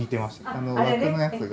あの枠のやつが。